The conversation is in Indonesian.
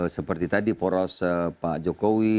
seperti tadi poros pak jokowi